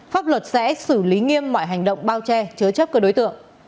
pháp luật sẽ xử lý nghiêm mọi hành động bao che chứa chấp các đối tượng